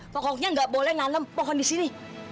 pokoknya gak boleh nanam pohon disini